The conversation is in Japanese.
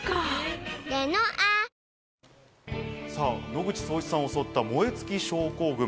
野口聡一さんを襲った燃え尽き症候群。